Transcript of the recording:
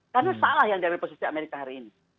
karena salah yang dia mempunyai posisi amerika hari ini